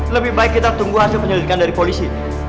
lebih baik kita tunggu hasil penyelidikan dari polisi